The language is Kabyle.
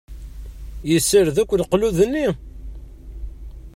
Yessared akk leqlud-nni?